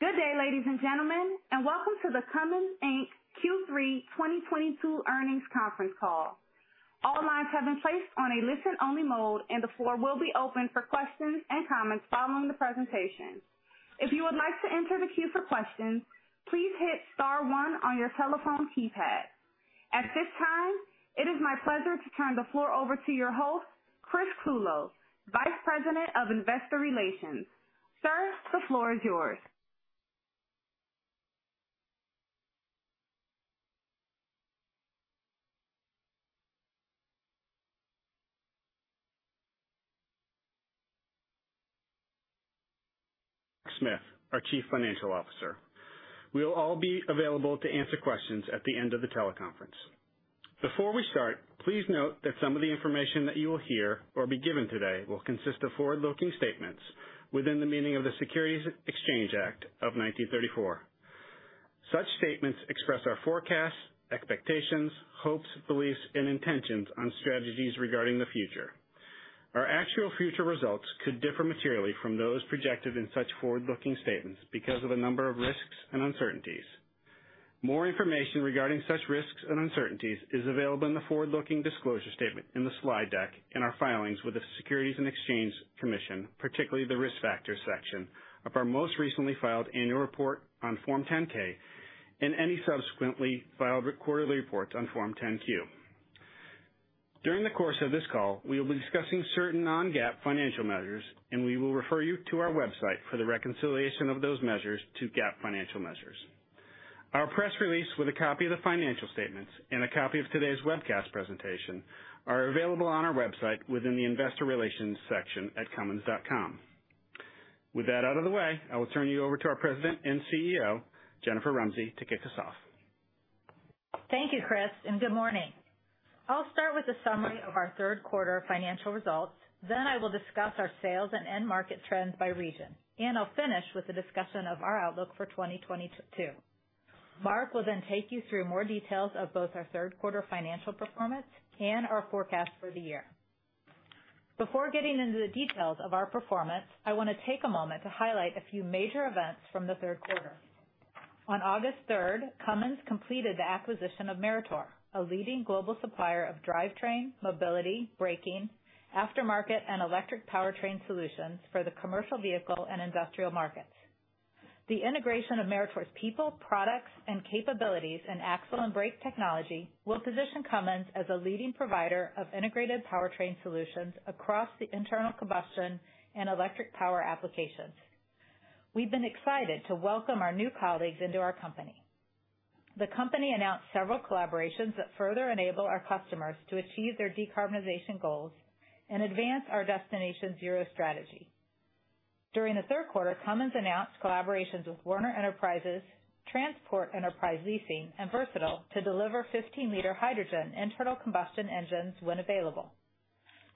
Good day, ladies and gentlemen, and welcome to the Cummins Inc Q3 2022 Earnings Conference Call. All lines have been placed on a listen-only mode, and the floor will be open for questions and comments following the presentation. If you would like to enter the queue for questions, please hit star one on your telephone keypad. At this time, it is my pleasure to turn the floor over to your host, Chris Clulow, Vice President of Investor Relations. Sir, the floor is yours. Smith, our Chief Financial Officer. We will all be available to answer questions at the end of the teleconference. Before we start, please note that some of the information that you will hear or be given today will consist of forward-looking statements within the meaning of the Securities Exchange Act of 1934. Such statements express our forecasts, expectations, hopes, beliefs, and intentions on strategies regarding the future. Our actual future results could differ materially from those projected in such forward-looking statements because of a number of risks and uncertainties. More information regarding such risks and uncertainties is available in the forward-looking disclosure statement in the slide deck in our filings with the Securities and Exchange Commission, particularly the Risk Factors section of our most recently filed annual report on Form 10-K and any subsequently filed quarterly reports on Form 10-Q. During the course of this call, we will be discussing certain non-GAAP financial measures, and we will refer you to our website for the reconciliation of those measures to GAAP financial measures. Our press release with a copy of the financial statements and a copy of today's webcast presentation are available on our website within the Investor Relations section at cummins.com. With that out of the way, I will turn you over to our President and CEO, Jennifer Rumsey, to kick us off. Thank you, Chris, and good morning. I'll start with a summary of our third quarter financial results, then I will discuss our sales and end market trends by region. I'll finish with a discussion of our outlook for 2022. Mark will then take you through more details of both our third quarter financial performance and our forecast for the year. Before getting into the details of our performance, I wanna take a moment to highlight a few major events from the third quarter. On August third, Cummins completed the acquisition of Meritor, a leading global supplier of drivetrain, mobility, braking, aftermarket, and electric powertrain solutions for the commercial vehicle and industrial markets. The integration of Meritor's people, products, and capabilities in axle and brake technology will position Cummins as a leading provider of integrated powertrain solutions across the internal combustion and electric power applications. We've been excited to welcome our new colleagues into our company. The company announced several collaborations that further enable our customers to achieve their decarbonization goals and advance our Destination Zero strategy. During the third quarter, Cummins announced collaborations with Werner Enterprises, Transport Enterprise Leasing, and Versatile to deliver 15 L hydrogen internal combustion engines when available.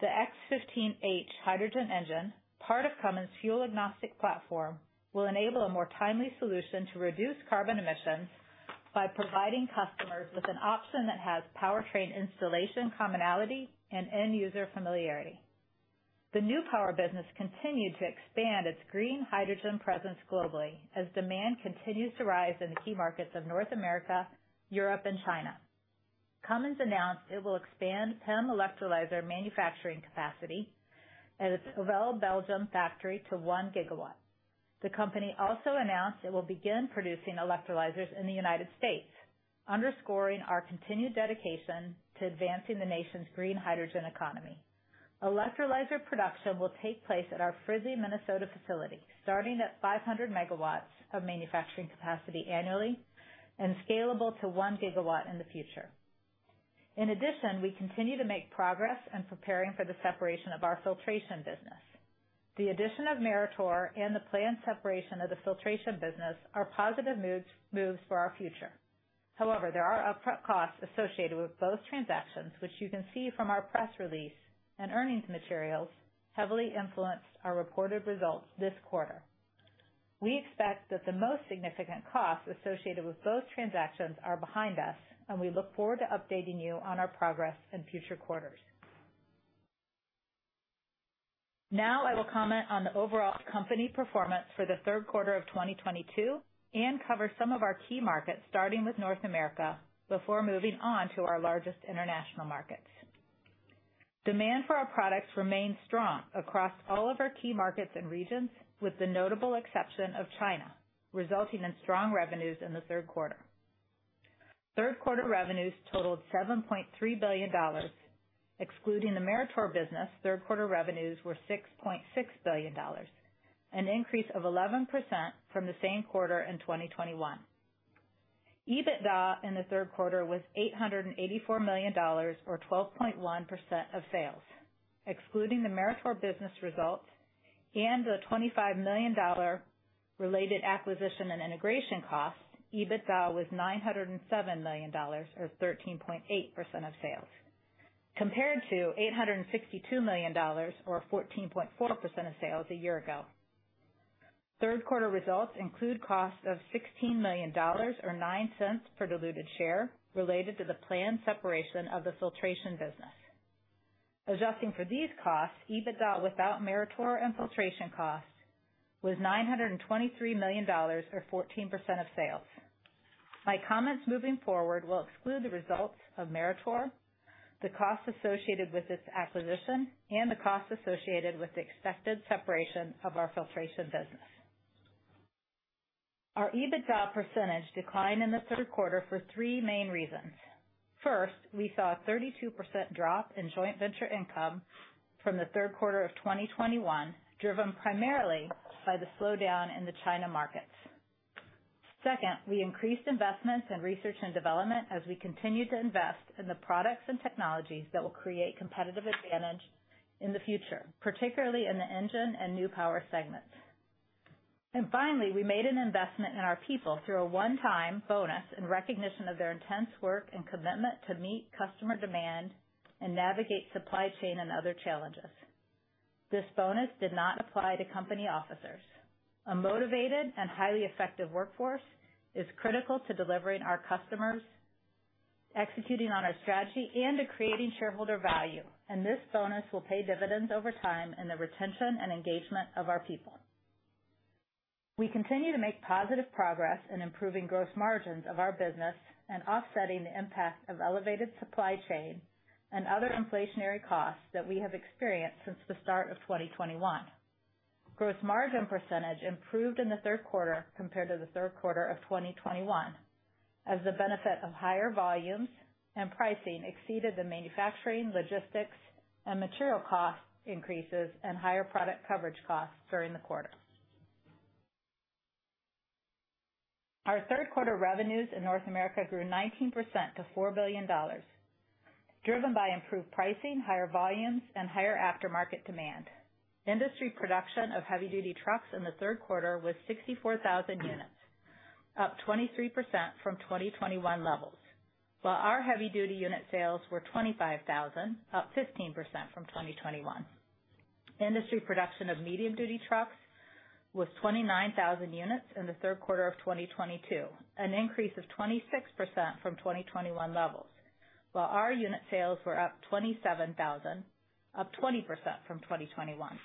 The X15H hydrogen engine, part of Cummins' fuel-agnostic platform, will enable a more timely solution to reduce carbon emissions by providing customers with an option that has powertrain installation commonality and end user familiarity. The New Power business continued to expand its green hydrogen presence globally as demand continues to rise in the key markets of North America, Europe, and China. Cummins announced it will expand PEM electrolyzer manufacturing capacity at its Oevel, Belgium factory to 1 GW. The company also announced it will begin producing electrolyzers in the United States, underscoring our continued dedication to advancing the nation's green hydrogen economy. Electrolyzer production will take place at our Fridley, Minnesota facility, starting at 500 MW of manufacturing capacity annually and scalable to 1 GW in the future. In addition, we continue to make progress in preparing for the separation of our filtration business. The addition of Meritor and the planned separation of the filtration business are positive moves for our future. However, there are upfront costs associated with both transactions, which you can see from our press release and earnings materials, heavily influenced our reported results this quarter. We expect that the most significant costs associated with both transactions are behind us, and we look forward to updating you on our progress in future quarters. Now I will comment on the overall company performance for the third quarter of 2022 and cover some of our key markets, starting with North America, before moving on to our largest international markets. Demand for our products remained strong across all of our key markets and regions, with the notable exception of China, resulting in strong revenues in the third quarter. Third quarter revenues totaled $7.3 billion. Excluding the Meritor business, third quarter revenues were $6.6 billion, an increase of 11% from the same quarter in 2021. EBITDA in the third quarter was $884 million or 12.1% of sales. Excluding the Meritor business results and the $25 million related acquisition and integration costs, EBITDA was $907 million or 13.8% of sales, compared to $862 million or 14.4% of sales a year ago. Third quarter results include costs of $16 million or $0.09 per diluted share related to the planned separation of the filtration business. Adjusting for these costs, EBITDA without Meritor and filtration costs was $923 million, or 14% of sales. My comments moving forward will exclude the results of Meritor, the costs associated with its acquisition, and the costs associated with the expected separation of our filtration business. Our EBITDA percentage declined in the third quarter for three main reasons. First, we saw a 32% drop in joint venture income from the third quarter of 2021, driven primarily by the slowdown in the China markets. Second, we increased investments in research and development as we continued to invest in the products and technologies that will create competitive advantage in the future, particularly in the engine and New Power segments. Finally, we made an investment in our people through a one-time bonus in recognition of their intense work and commitment to meet customer demand and navigate supply chain and other challenges. This bonus did not apply to company officers. A motivated and highly effective workforce is critical to delivering our customers, executing on our strategy, and to creating shareholder value, and this bonus will pay dividends over time in the retention and engagement of our people. We continue to make positive progress in improving gross margins of our business and offsetting the impact of elevated supply chain and other inflationary costs that we have experienced since the start of 2021. Gross margin percentage improved in the third quarter compared to the third quarter of 2021, as the benefit of higher volumes and pricing exceeded the manufacturing, logistics, and material cost increases and higher product coverage costs during the quarter. Our third quarter revenues in North America grew 19% to $4 billion, driven by improved pricing, higher volumes, and higher aftermarket demand. Industry production of heavy-duty trucks in the third quarter was 64,000 units, up 23% from 2021 levels, while our heavy-duty unit sales were 25,000, up 15% from 2021. Industry production of medium-duty trucks was 29,000 units in the third quarter of 2022, an increase of 26% from 2021 levels, while our unit sales were up 27,000, up 20% from 2021.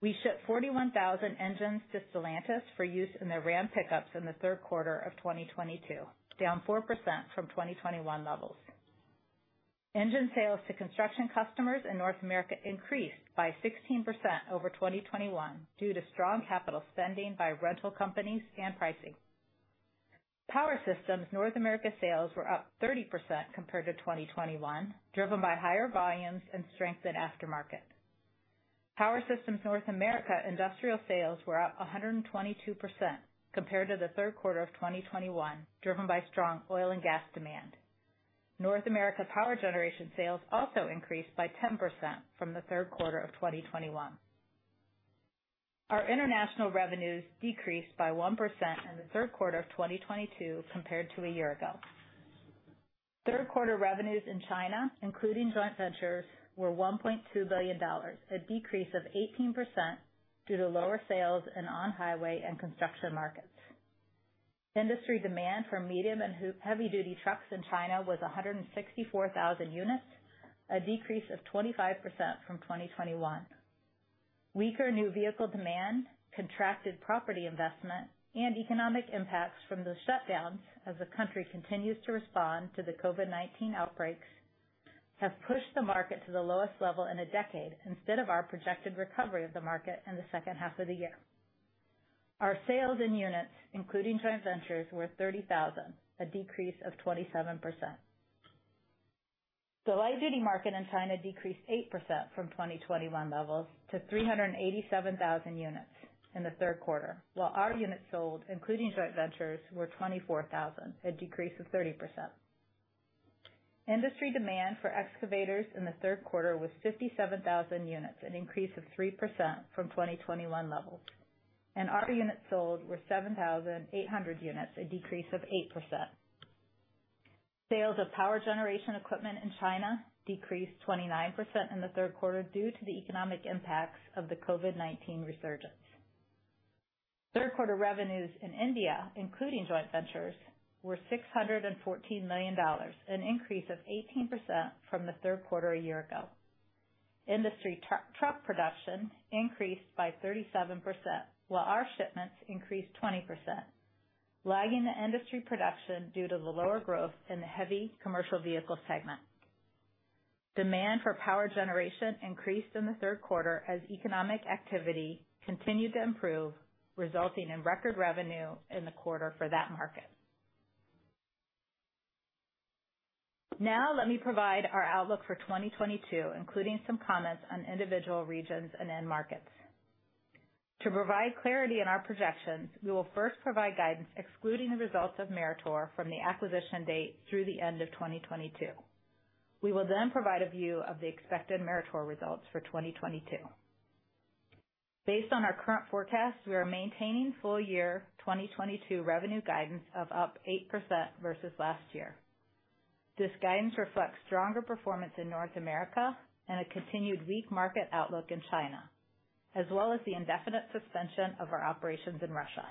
We shipped 41,000 engines to Stellantis for use in their Ram pickups in the third quarter of 2022, down 4% from 2021 levels. Engine sales to construction customers in North America increased by 16% over 2021 due to strong capital spending by rental companies and pricing. Power Systems North America sales were up 30% compared to 2021, driven by higher volumes and strength in aftermarket. Power Systems North America industrial sales were up 122% compared to the third quarter of 2021, driven by strong oil and gas demand. North America power generation sales also increased by 10% from the third quarter of 2021. Our international revenues decreased by 1% in the third quarter of 2022 compared to a year ago. Third quarter revenues in China, including joint ventures, were $1.2 billion, a decrease of 18% due to lower sales in on-highway and construction markets. Industry demand for medium and heavy-duty trucks in China was 164,000 units, a decrease of 25% from 2021. Weaker new vehicle demand, contracted property investment, and economic impacts from the shutdowns as the country continues to respond to the COVID-19 outbreaks have pushed the market to the lowest level in a decade instead of our projected recovery of the market in the second half of the year. Our sales in units, including joint ventures, were 30,000, a decrease of 27%. The light-duty market in China decreased 8% from 2021 levels to 387,000 units in the third quarter, while our units sold, including joint ventures, were 24,000, a decrease of 30%. Industry demand for excavators in the third quarter was 57,000 units, an increase of 3% from 2021 levels, and our units sold were 7,800 units, a decrease of 8%. Sales of power generation equipment in China decreased 29% in the third quarter due to the economic impacts of the COVID-19 resurgence. Third quarter revenues in India, including joint ventures, were $614 million, an increase of 18% from the third quarter a year ago. Industry truck production increased by 37%, while our shipments increased 20%, lagging the industry production due to the lower growth in the heavy commercial vehicle segment. Demand for power generation increased in the third quarter as economic activity continued to improve, resulting in record revenue in the quarter for that market. Now let me provide our outlook for 2022, including some comments on individual regions and end markets. To provide clarity in our projections, we will first provide guidance excluding the results of Meritor from the acquisition date through the end of 2022. We will then provide a view of the expected Meritor results for 2022. Based on our current forecast, we are maintaining full year 2022 revenue guidance of up 8% versus last year. This guidance reflects stronger performance in North America and a continued weak market outlook in China, as well as the indefinite suspension of our operations in Russia.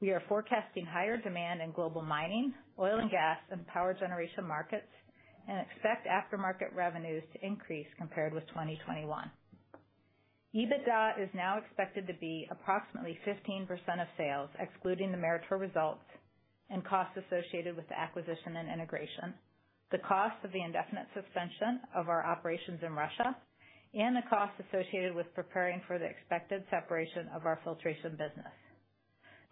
We are forecasting higher demand in global mining, oil and gas and power generation markets and expect aftermarket revenues to increase compared with 2021. EBITDA is now expected to be approximately 15% of sales, excluding the Meritor results and costs associated with the acquisition and integration, the cost of the indefinite suspension of our operations in Russia, and the costs associated with preparing for the expected separation of our filtration business.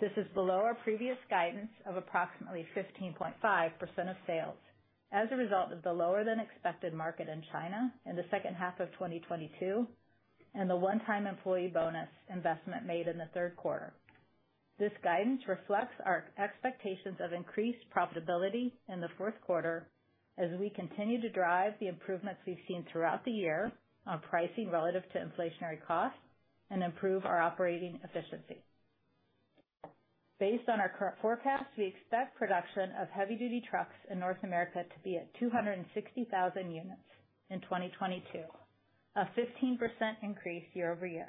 This is below our previous guidance of approximately 15.5% of sales as a result of the lower than expected market in China in the second half of 2022 and the one-time employee bonus investment made in the third quarter. This guidance reflects our expectations of increased profitability in the fourth quarter as we continue to drive the improvements we've seen throughout the year on pricing relative to inflationary costs and improve our operating efficiency. Based on our current forecast, we expect production of heavy-duty trucks in North America to be at 260,000 units in 2022, a 15% increase year over year.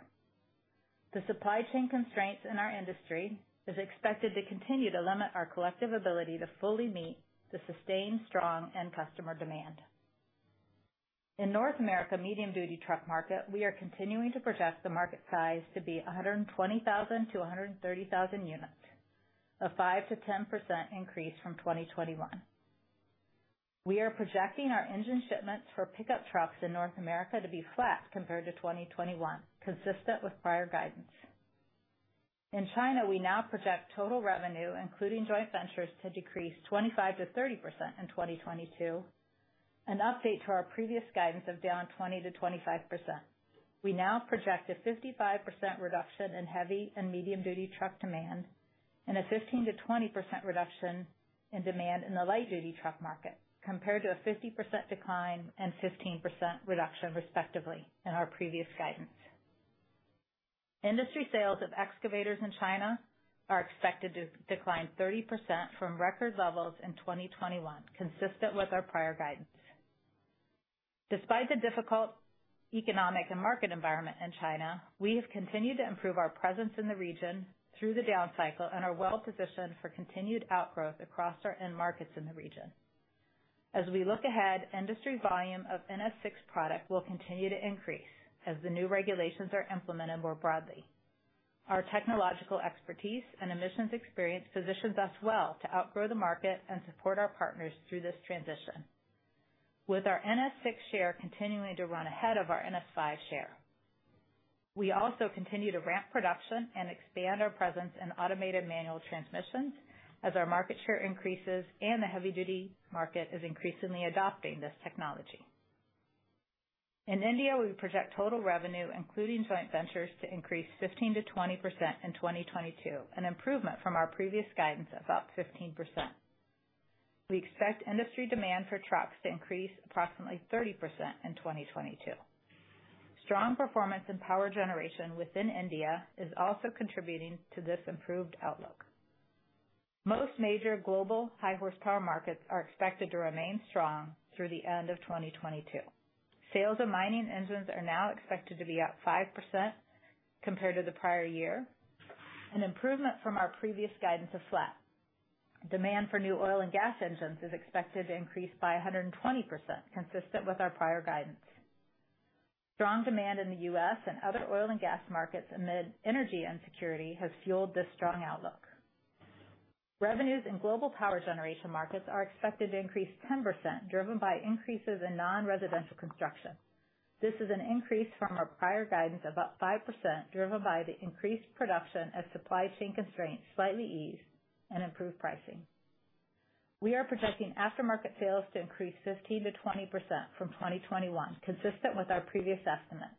The supply chain constraints in our industry is expected to continue to limit our collective ability to fully meet the sustained strong end customer demand. In North America medium-duty truck market, we are continuing to project the market size to be 120,000-130,000 units, a 5%-10% increase from 2021. We are projecting our engine shipments for pickup trucks in North America to be flat compared to 2021, consistent with prior guidance. In China, we now project total revenue, including joint ventures, to decrease 25%-30% in 2022, an update to our previous guidance of down 20%-25%. We now project a 55% reduction in heavy and medium-duty truck demand and a 15%-20% reduction in demand in the light-duty truck market, compared to a 50% decline and 15% reduction, respectively, in our previous guidance. Industry sales of excavators in China are expected to decline 30% from record levels in 2021, consistent with our prior guidance. Despite the difficult economic and market environment in China, we have continued to improve our presence in the region through the down cycle and are well positioned for continued outgrowth across our end markets in the region. As we look ahead, industry volume of NS6 product will continue to increase as the new regulations are implemented more broadly. Our technological expertise and emissions experience positions us well to outgrow the market and support our partners through this transition. With our NS6 share continuing to run ahead of our NS5 share, we also continue to ramp production and expand our presence in automated manual transmissions as our market share increases and the heavy-duty market is increasingly adopting this technology. In India, we project total revenue, including joint ventures, to increase 15%-20% in 2022, an improvement from our previous guidance of up 15%. We expect industry demand for trucks to increase approximately 30% in 2022. Strong performance in power generation within India is also contributing to this improved outlook. Most major global high horsepower markets are expected to remain strong through the end of 2022. Sales of mining engines are now expected to be up 5% compared to the prior year, an improvement from our previous guidance of flat. Demand for new oil and gas engines is expected to increase by 120%, consistent with our prior guidance. Strong demand in the U.S. and other oil and gas markets amid energy insecurity has fueled this strong outlook. Revenues in global power generation markets are expected to increase 10%, driven by increases in non-residential construction. This is an increase from our prior guidance of up 5%, driven by the increased production as supply chain constraints slightly ease and improved pricing. We are projecting aftermarket sales to increase 15%-20% from 2021, consistent with our previous estimate.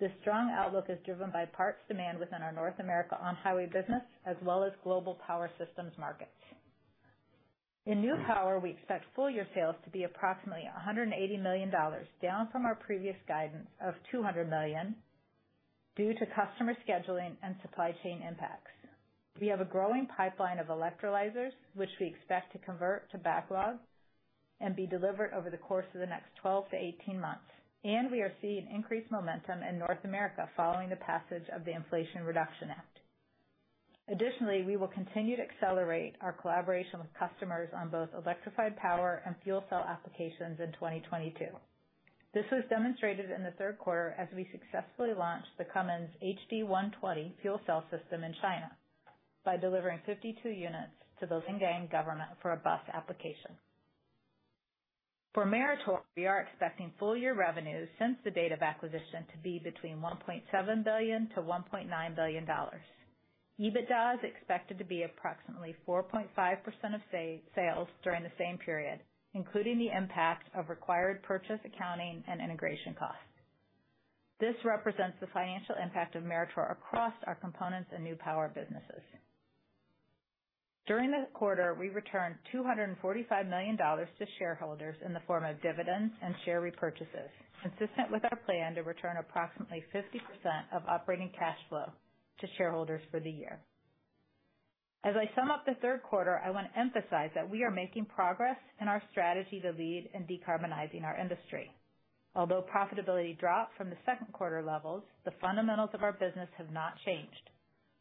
This strong outlook is driven by parts demand within our North America on-highway business as well as global power systems markets. In New Power, we expect full-year sales to be approximately $180 million, down from our previous guidance of $200 million, due to customer scheduling and supply chain impacts. We have a growing pipeline of electrolyzers, which we expect to convert to backlog and be delivered over the course of the next 12-18 months. We are seeing increased momentum in North America following the passage of the Inflation Reduction Act. Additionally, we will continue to accelerate our collaboration with customers on both electrified power and fuel cell applications in 2022. This was demonstrated in the third quarter as we successfully launched the Cummins HD120 fuel cell system in China by delivering 52 units to the Zhengzhou government for a bus application. For Meritor, we are expecting full year revenues since the date of acquisition to be between $1.7 billion-$1.9 billion. EBITDA is expected to be approximately 4.5% of sales during the same period, including the impact of required purchase, accounting and integration costs. This represents the financial impact of Meritor across our components and New Power businesses. During the quarter, we returned $245 million to shareholders in the form of dividends and share repurchases, consistent with our plan to return approximately 50% of operating cash flow to shareholders for the year. As I sum up the third quarter, I want to emphasize that we are making progress in our strategy to lead in decarbonizing our industry. Although profitability dropped from the second quarter levels, the fundamentals of our business have not changed.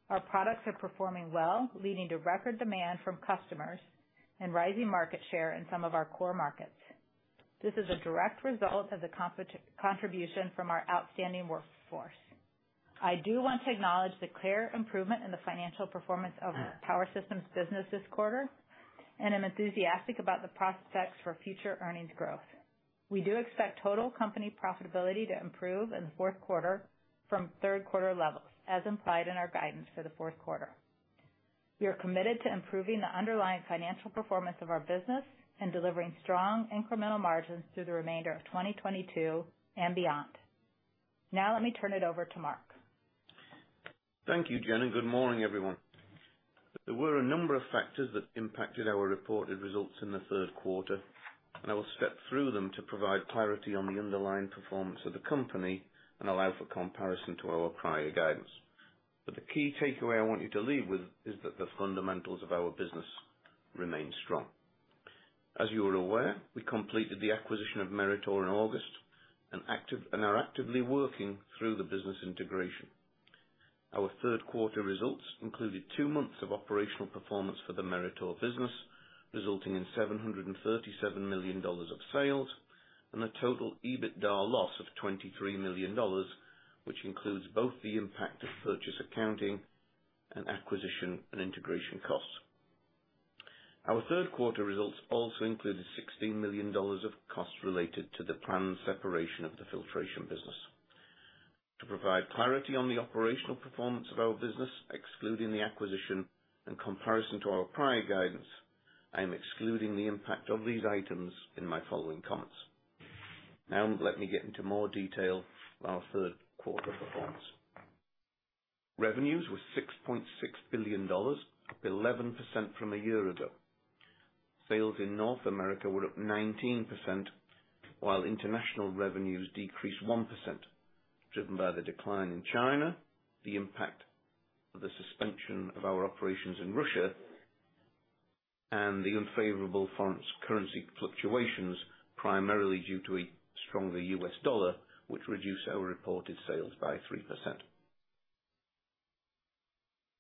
Our products are performing well, leading to record demand from customers and rising market share in some of our core markets. This is a direct result of the contribution from our outstanding workforce. I do want to acknowledge the clear improvement in the financial performance of our Power Systems business this quarter, and I'm enthusiastic about the prospects for future earnings growth. We do expect total company profitability to improve in the fourth quarter from third quarter levels, as implied in our guidance for the fourth quarter. We are committed to improving the underlying financial performance of our business and delivering strong incremental margins through the remainder of 2022 and beyond. Now let me turn it over to Mark. Thank you, Jen, and good morning, everyone. There were a number of factors that impacted our reported results in the third quarter, and I will step through them to provide clarity on the underlying performance of the company and allow for comparison to our prior guidance. The key takeaway I want you to leave with is that the fundamentals of our business remain strong. As you are aware, we completed the acquisition of Meritor in August and are actively working through the business integration. Our third quarter results included two months of operational performance for the Meritor business, resulting in $737 million of sales and a total EBITDA loss of $23 million, which includes both the impact of purchase accounting and acquisition and integration costs. Our third quarter results also included $16 million of costs related to the planned separation of the filtration business. To provide clarity on the operational performance of our business, excluding the acquisition in comparison to our prior guidance, I am excluding the impact of these items in my following comments. Now let me get into more detail of our third quarter performance. Revenues were $6.6 billion, up 11% from a year ago. Sales in North America were up 19%, while international revenues decreased 1%, driven by the decline in China, the impact of the suspension of our operations in Russia, and the unfavorable foreign currency fluctuations, primarily due to a stronger U.S. dollar, which reduced our reported sales by 3%.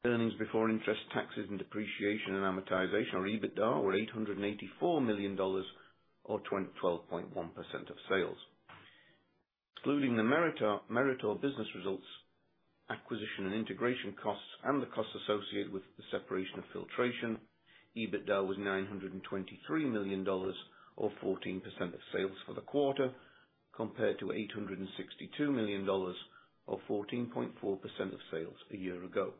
Earnings before interest, taxes and depreciation and amortization or EBITDA were $884 million, or 12.1% of sales. Excluding the Meritor business results, acquisition and integration costs and the costs associated with the separation of filtration, EBITDA was $923 million or 14% of sales for the quarter, compared to $862 million or 14.4% of sales a year ago.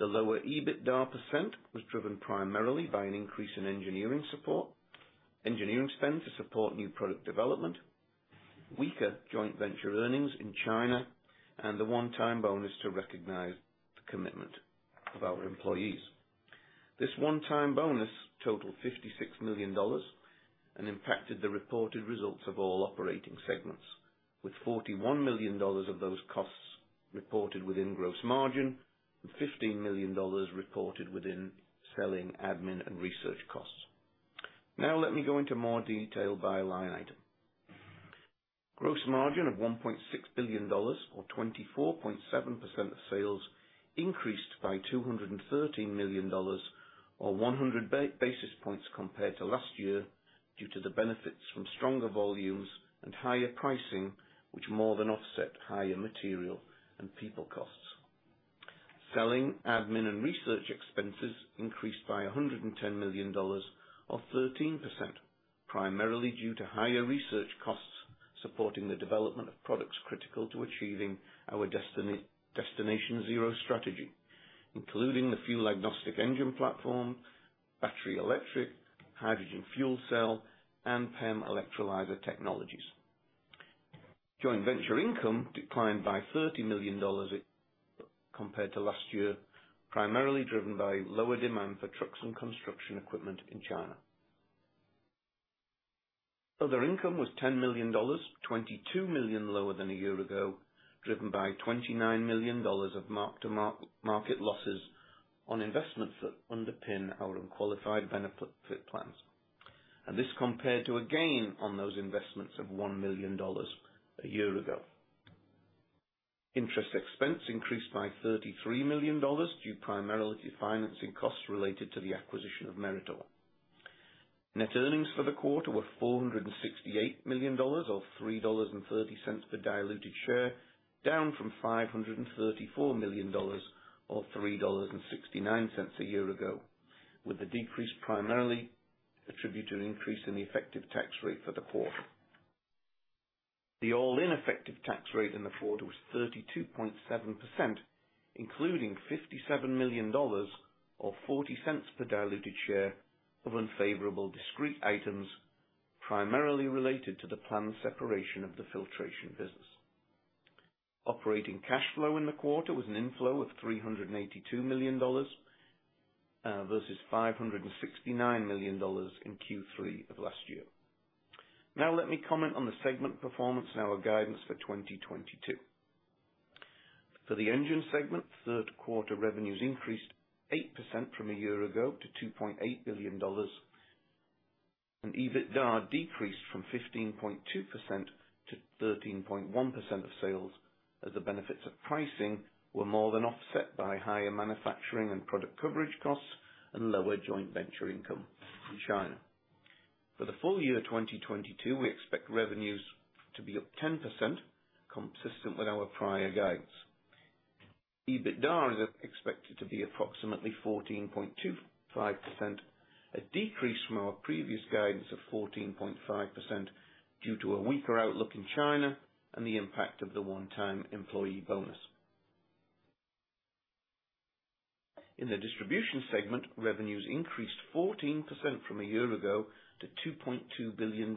The lower EBITDA percent was driven primarily by an increase in engineering support, engineering spend to support new product development, weaker joint venture earnings in China, and the one-time bonus to recognize the commitment of our employees. This one-time bonus totaled $56 million and impacted the reported results of all operating segments, with $41 million of those costs reported within gross margin and $15 million reported within selling, admin, and research costs. Now let me go into more detail by line item. Gross margin of $1.6 billion or 24.7% of sales increased by $213 million or 100 basis points compared to last year due to the benefits from stronger volumes and higher pricing, which more than offset higher material and people costs. Selling, admin, and research expenses increased by $110 million or 13%, primarily due to higher research costs supporting the development of products critical to achieving our Destination Zero strategy, including the fuel-agnostic engine platform, battery electric, hydrogen fuel cell, and PEM electrolyzer technologies. Joint venture income declined by $30 million compared to last year, primarily driven by lower demand for trucks and construction equipment in China. Other income was $10 million, $22 million lower than a year ago, driven by $29 million of mark-to-market losses on investments that underpin our unfunded benefit plans. This compared to a gain on those investments of $1 million a year ago. Interest expense increased by $33 million due primarily to financing costs related to the acquisition of Meritor. Net earnings for the quarter were $468 million or $3.30 per diluted share, down from $534 million or $3.69 a year ago, with the decrease primarily attributed to an increase in the effective tax rate for the quarter. The all-in effective tax rate in the quarter was 32.7%, including $57 million or $0.40 per diluted share of unfavorable discrete items, primarily related to the planned separation of the filtration business. Operating cash flow in the quarter was an inflow of $382 million versus $569 million in Q3 of last year. Now let me comment on the segment performance and our guidance for 2022. For the engine segment, third quarter revenues increased 8% from a year ago to $2.8 billion. EBITDA decreased from 15.2% to 13.1% of sales, as the benefits of pricing were more than offset by higher manufacturing and product coverage costs and lower joint venture income in China. For the full year 2022, we expect revenues to be up 10% consistent with our prior guidance. EBITDA is expected to be approximately 14.25%, a decrease from our previous guidance of 14.5% due to a weaker outlook in China and the impact of the one-time employee bonus. In the distribution segment, revenues increased 14% from a year ago to $2.2 billion.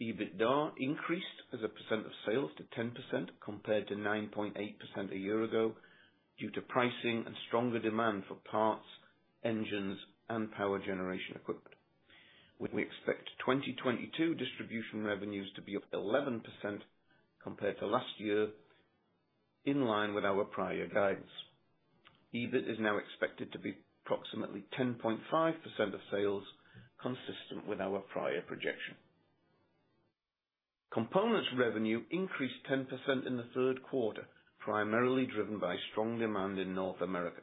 EBITDA increased as a percent of sales to 10% compared to 9.8% a year ago, due to pricing and stronger demand for parts, engines, and power generation equipment. We expect 2022 distribution revenues to be up 11% compared to last year, in line with our prior guidance. EBIT is now expected to be approximately 10.5% of sales, consistent with our prior projection. Components revenue increased 10% in the third quarter, primarily driven by strong demand in North America.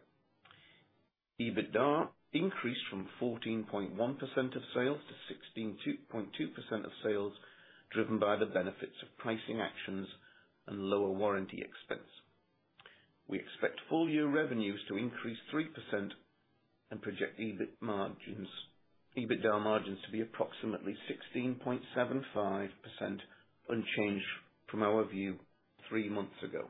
EBITDA increased from 14.1% of sales to 16.2% of sales, driven by the benefits of pricing actions and lower warranty expense. We expect full year revenues to increase 3% and project EBITDA margins to be approximately 16.75%, unchanged from our view three months ago.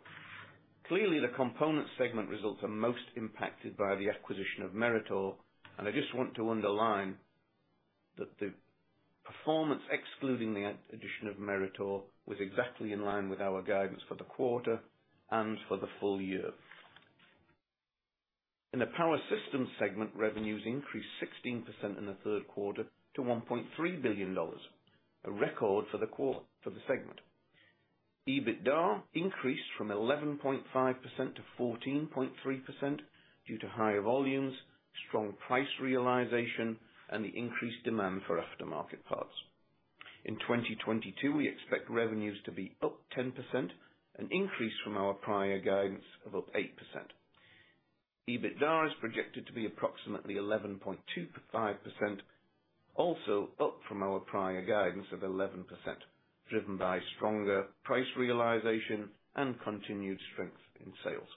Clearly, the component segment results are most impacted by the acquisition of Meritor, and I just want to underline that the performance, excluding the addition of Meritor, was exactly in line with our guidance for the quarter and for the full year. In the Power Systems segment, revenues increased 16% in the third quarter to $1.3 billion, a record for the segment. EBITDA increased from 11.5% to 14.3% due to higher volumes, strong price realization, and the increased demand for aftermarket parts. In 2022, we expect revenues to be up 10%, an increase from our prior guidance of up 8%. EBITDA is projected to be approximately 11.25%, also up from our prior guidance of 11%, driven by stronger price realization and continued strength in sales.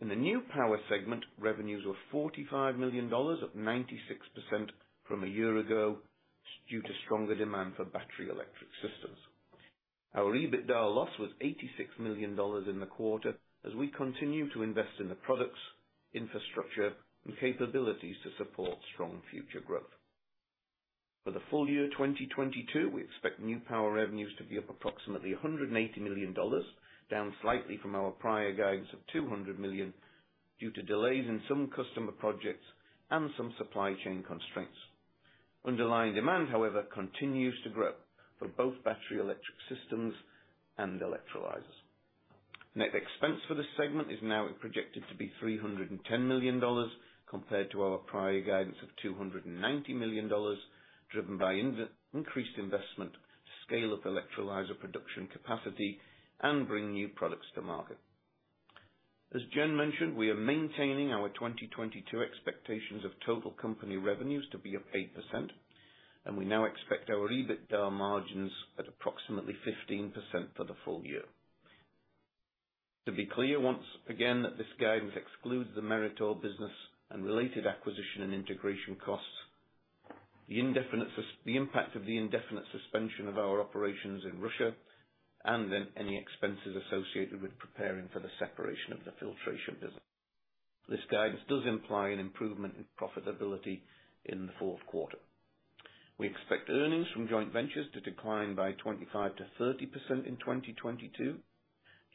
In the New Power segment, revenues were $45 million, up 96% from a year ago, due to stronger demand for battery electric systems. Our EBITDA loss was $86 million in the quarter as we continue to invest in the products, infrastructure, and capabilities to support strong future growth. For the full year 2022, we expect New Power revenues to be up approximately $180 million, down slightly from our prior guidance of $200 million, due to delays in some customer projects and some supply chain constraints. Underlying demand, however, continues to grow for both battery electric systems and electrolyzers. Net expense for the segment is now projected to be $310 million compared to our prior guidance of $290 million, driven by increased investment, scale of electrolyzer production capacity, and bring new products to market. As Jen mentioned, we are maintaining our 2022 expectations of total company revenues to be up 8%, and we now expect our EBITDA margins at approximately 15% for the full year. To be clear once again that this guidance excludes the Meritor business and related acquisition and integration costs, the impact of the indefinite suspension of our operations in Russia, and then any expenses associated with preparing for the separation of the filtration business. This guidance does imply an improvement in profitability in the fourth quarter. We expect earnings from joint ventures to decline by 25%-30% in 2022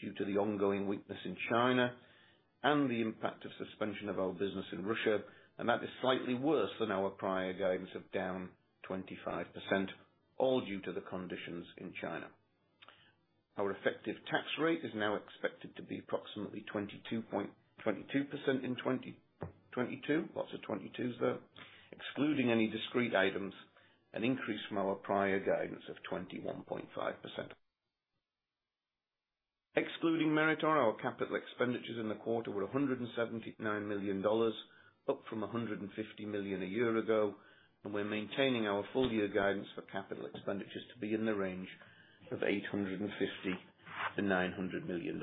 due to the ongoing weakness in China and the impact of suspension of our business in Russia, and that is slightly worse than our prior guidance of down 25%, all due to the conditions in China. Our effective tax rate is now expected to be approximately 22% in 2022. Lots of 22s there. Excluding any discrete items, an increase from our prior guidance of 21.5%. Excluding Meritor, our capital expenditures in the quarter were $179 million, up from $150 million a year ago, and we're maintaining our full year guidance for capital expenditures to be in the range of $850 million-$900 million.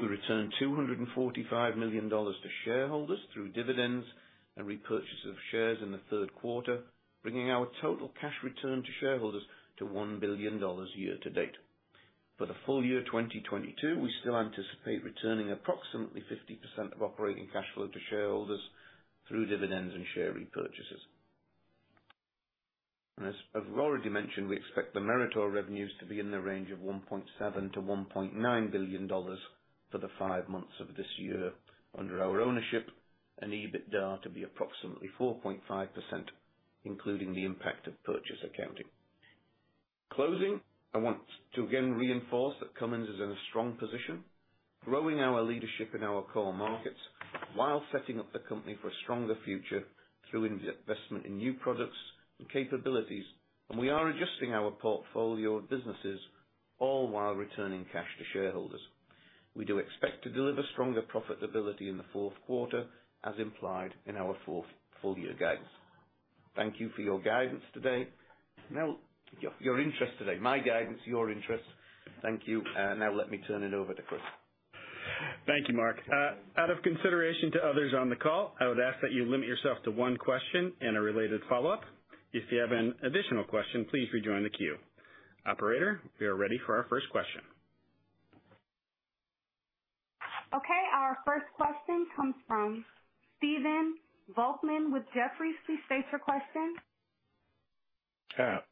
We returned $245 million to shareholders through dividends and repurchase of shares in the third quarter, bringing our total cash return to shareholders to $1 billion year to date. For the full year 2022, we still anticipate returning approximately 50% of operating cash flow to shareholders through dividends and share repurchases. As we've already mentioned, we expect the Meritor revenues to be in the range of $1.7 billion-$1.9 billion for the five months of this year under our ownership and EBITDA to be approximately 4.5%. Including the impact of purchase accounting. In closing, I want to again reinforce that Cummins is in a strong position, growing our leadership in our core markets while setting up the company for a stronger future through investment in new products and capabilities. We are adjusting our portfolio of businesses all while returning cash to shareholders. We do expect to deliver stronger profitability in the fourth quarter as implied in our for the full year guidance. Thank you for your guidance today. Now, your interest today. My guidance, your interest. Thank you. Now let me turn it over to Chris. Thank you, Mark. Out of consideration to others on the call, I would ask that you limit yourself to one question and a related follow-up. If you have an additional question, please rejoin the queue. Operator, we are ready for our first question. Okay. Our first question comes from Stephen Volkmann with Jefferies. Please state your question.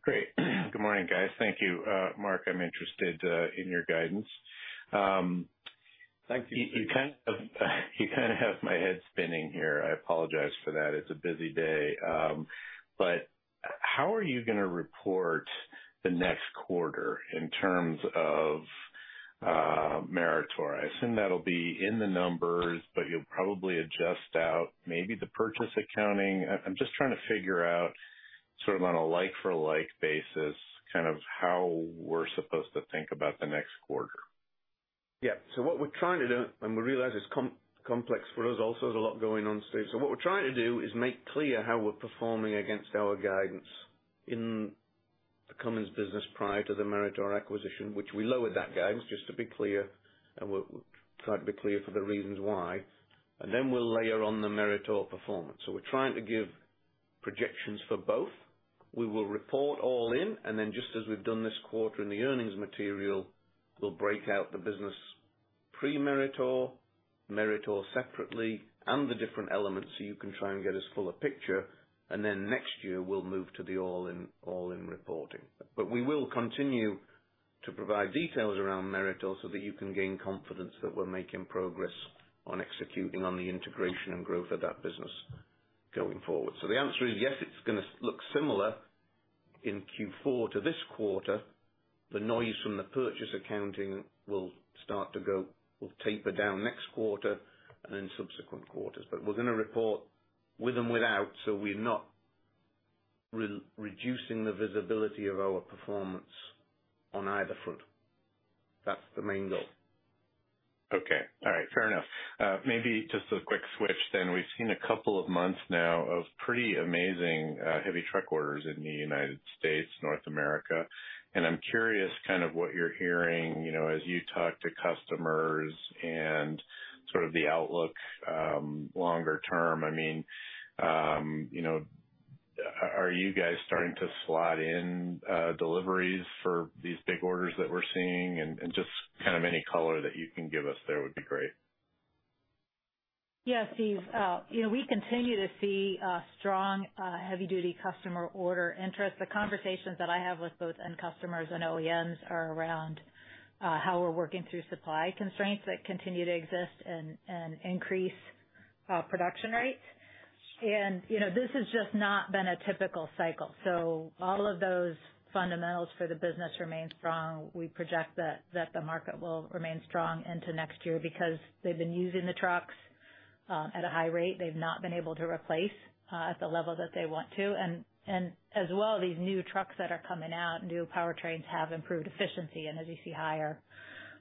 Great. Good morning, guys. Thank you. Mark, I'm interested in your guidance. Thank you, Steve. You kind of have my head spinning here. I apologize for that. It's a busy day. How are you gonna report the next quarter in terms of Meritor? I assume that'll be in the numbers, but you'll probably adjust out maybe the purchase accounting. I'm just trying to figure out sort of on a like-for-like basis, kind of how we're supposed to think about the next quarter. Yeah. What we're trying to do, and we realize it's complex for us also, there's a lot going on, Stephen. What we're trying to do is make clear how we're performing against our guidance in the Cummins business prior to the Meritor acquisition, which we lowered that guidance, just to be clear, and we'll try to be clear for the reasons why. Then we'll layer on the Meritor performance. We're trying to give projections for both. We will report all in, and then just as we've done this quarter in the earnings material, we'll break out the business pre-Meritor, Meritor separately, and the different elements, so you can try and get as full a picture. Then next year, we'll move to the all in, all in reporting. We will continue to provide details around Meritor so that you can gain confidence that we're making progress on executing on the integration and growth of that business going forward. The answer is yes, it's gonna look similar in Q4 to this quarter. The noise from the purchase accounting will start to go, will taper down next quarter and in subsequent quarters. We're gonna report with and without, so we're not reducing the visibility of our performance on either front. That's the main goal. Okay. All right. Fair enough. Maybe just a quick switch then. We've seen a couple of months now of pretty amazing heavy truck orders in the United States, North America. I'm curious kind of what you're hearing, you know, as you talk to customers and sort of the outlook longer term. I mean, you know, are you guys starting to slot in deliveries for these big orders that we're seeing? Just kind of any color that you can give us there would be great. Yeah, Stephen. You know, we continue to see strong heavy-duty customer order interest. The conversations that I have with both end customers and OEMs are around how we're working through supply constraints that continue to exist and increase production rates. You know, this has just not been a typical cycle. All of those fundamentals for the business remain strong. We project that the market will remain strong into next year because they've been using the trucks at a high rate. They've not been able to replace at the level that they want to. As well, these new trucks that are coming out, New Powertrains have improved efficiency. As you see higher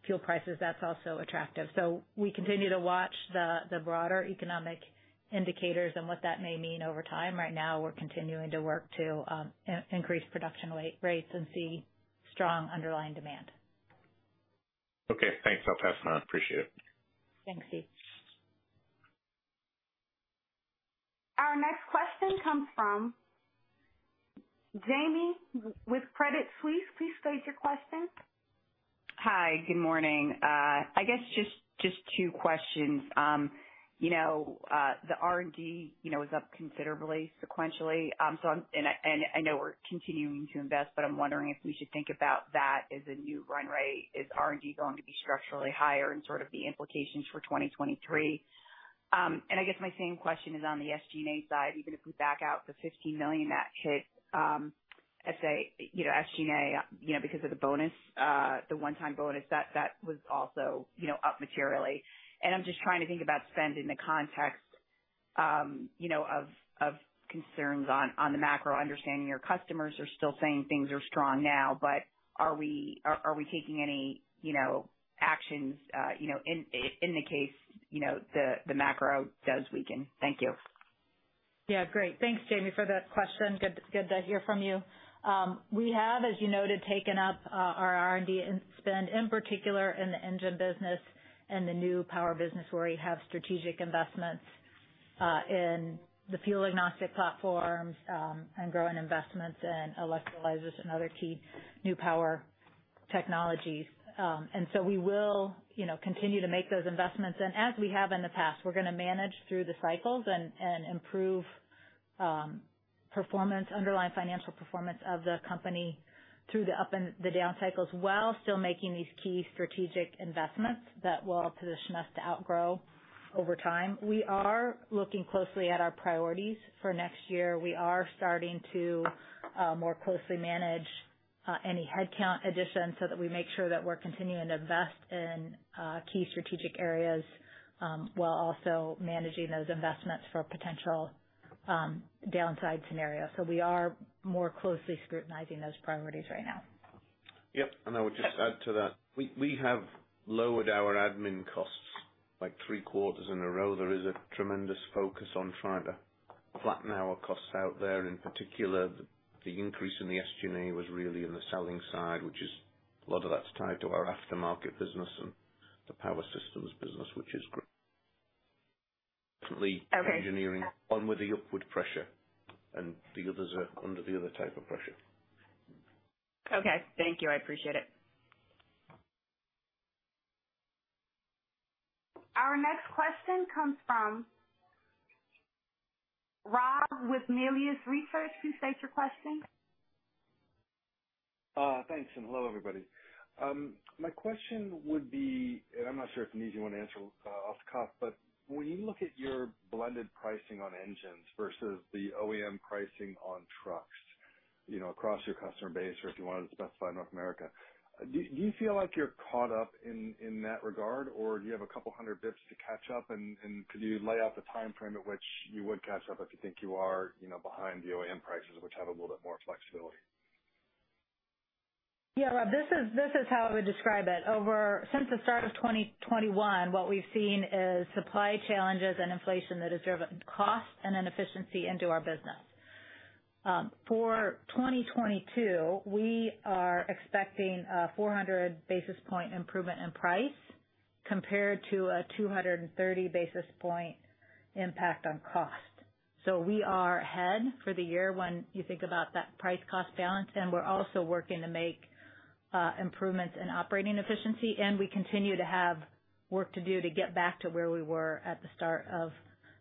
fuel prices, that's also attractive. We continue to watch the broader economic indicators and what that may mean over time. Right now, we're continuing to work to increase production rates and see strong underlying demand. Okay. Thanks, I'll pass it on. Appreciate it. Thanks, Steve. Our next question comes from Jamie with Credit Suisse. Please state your question. Hi. Good morning. I guess just two questions. You know, the R&D, you know, is up considerably sequentially. I know we're continuing to invest, but I'm wondering if we should think about that as a new run rate. Is R&D going to be structurally higher and sort of the implications for 2023? I guess my same question is on the SG&A side, even if we back out the $15 million that hit SG&A because of the bonus, the one-time bonus that was also, you know, up materially. I'm just trying to think about spend in the context, you know, of concerns on the macro, understanding your customers are still saying things are strong now, but are we taking any, you know, actions, you know, in the case, you know, the macro does weaken? Thank you. Yeah. Great. Thanks, Jamie, for the question. Good to hear from you. We have, as you noted, taken up our R&D spend, in particular in the engine business and the New Power business, where we have strategic investments in the fuel-agnostic platforms, and growing investments in electrolyzers and other key New Power technologies. We will, you know, continue to make those investments. As we have in the past, we're gonna manage through the cycles and improve performance, underlying financial performance of the company through the up and the down cycles, while still making these key strategic investments that will position us to outgrow over time. We are looking closely at our priorities for next year. We are starting to more closely manage Any headcount additions so that we make sure that we're continuing to invest in key strategic areas, while also managing those investments for potential downside scenarios. We are more closely scrutinizing those priorities right now. Yep. I would just add to that. We have lowered our admin costs like three quarters in a row. There is a tremendous focus on trying to flatten our costs out there. In particular, the increase in the SG&A was really in the selling side, which is a lot of that's tied to our aftermarket business and the power systems business, which is growing, engineering on with the upward pressure and the others are under the other type of pressure. Okay. Thank you. I appreciate it. Our next question comes from Rob with Melius Research. Please state your question. Thanks, hello, everybody. My question would be, I'm not sure if it's an easy one to answer off the cuff, but when you look at your blended pricing on engines versus the OEM pricing on trucks, you know, across your customer base or if you wanted to specify North America, do you feel like you're caught up in that regard, or do you have a couple hundred basis points to catch up? Could you lay out the timeframe at which you would catch up if you think you are, you know, behind the OEM prices which have a little bit more flexibility? Yeah, Rob, this is how I would describe it. Since the start of 2021, what we've seen is supply challenges and inflation that has driven cost and inefficiency into our business. For 2022, we are expecting a 400 basis point improvement in price compared to a 230 basis point impact on cost. We are ahead for the year when you think about that price cost balance, and we're also working to make improvements in operating efficiency, and we continue to have work to do to get back to where we were at the start of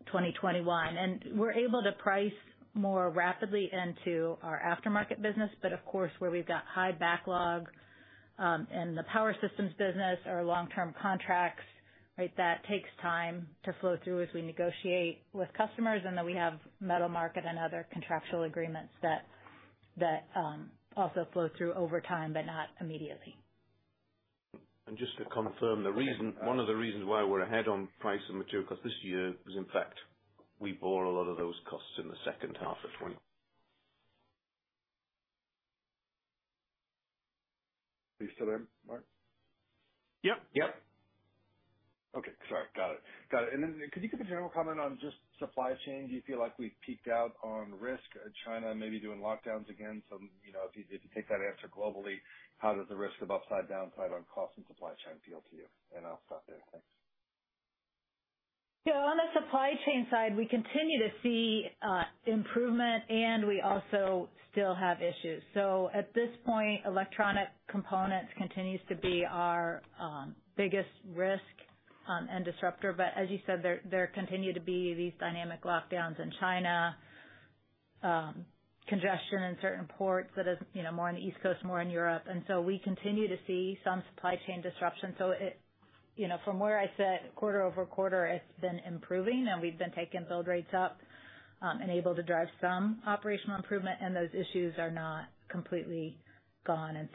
2021. We're able to price more rapidly into our aftermarket business, but of course, where we've got high backlog in the power systems business or long-term contracts, right? That takes time to flow through as we negotiate with customers, and then we have metal market and other contractual agreements that also flow through over time, but not immediately. Just to confirm the reason, one of the reasons why we're ahead on price and material cost this year is in fact we bore a lot of those costs in the second half of 2020. Are you still there, Mark? Yep. Yep. Okay. Sorry. Got it. Could you give a general comment on just supply chain? Do you feel like we've peaked out on risk? China may be doing lockdowns again, you know, if you take that answer globally, how does the risk of upside downside on cost and supply chain appeal to you? I'll stop there. Thanks. Yeah, on the supply chain side, we continue to see, improvement, and we also still have issues. At this point, electronic components continues to be our, biggest risk, and disruptor. As you said, there continue to be these dynamic lockdowns in China, congestion in certain ports that is, you know, more on the East Coast, more in Europe. We continue to see some supply chain disruption. You know, from where I sit quarter-over-quarter, it's been improving and we've been taking build rates up, and able to drive some operational improvement and those issues are not completely gone.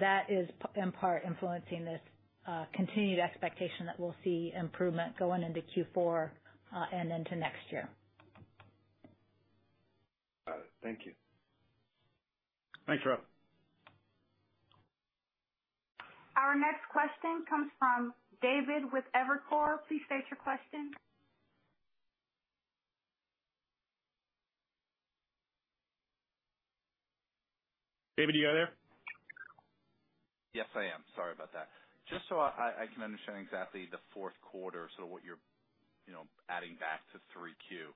That is in part influencing this, continued expectation that we'll see improvement going into Q4, and into next year. Got it. Thank you. Thanks, Rob. Our next question comes from David with Evercore. Please state your question. David, you there? Yes, I am. Sorry about that. Just so I can understand exactly the fourth quarter, so what you're, you know, adding back to 3Q.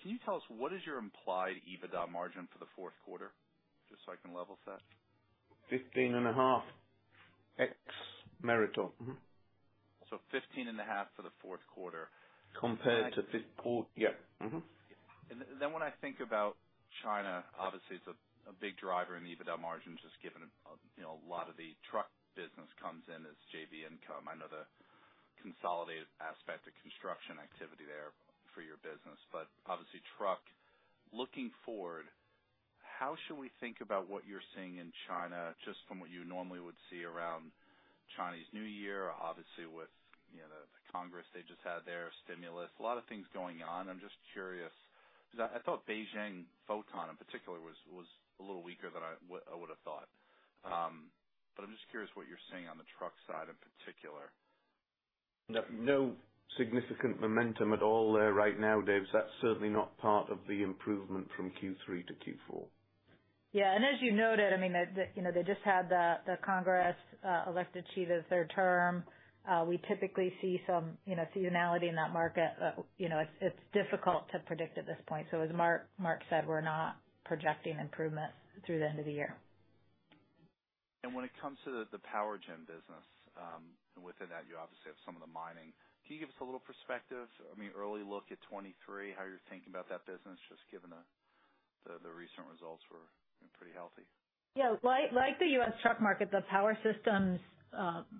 Can you tell us what is your implied EBITDA margin for the fourth quarter? Just so I can level set. $15.5 ex Meritor. Mm-hmm. $15.5 for the fourth quarter. Compared to fifth quarter. Yeah. When I think about China, obviously it's a big driver in the EBITDA margin, just given, you know, a lot of the truck business comes in as JV income. I know the consolidated aspect of construction activity there for your business, but obviously truck. Looking forward, how should we think about what you're seeing in China, just from what you normally would see around Chinese New Year, obviously with, you know, the Congress they just had their stimulus, a lot of things going on. I'm just curious because I thought Beijing Foton in particular was a little weaker than I would have thought. I'm just curious what you're seeing on the truck side in particular. No, no significant momentum at all there right now, David. That's certainly not part of the improvement from Q3 to Q4. Yeah. As you noted, I mean, the you know, they just had the Congress elect the chief of their term. You know, it's difficult to predict at this point. As Mark said, we're not projecting improvement through the end of the year. When it comes to the power gen business, and within that you obviously have some of the mining. Can you give us a little perspective? I mean, early look at 2023, how you're thinking about that business, just given the recent results were, you know, pretty healthy. Yeah. Like the U.S. truck market, the power systems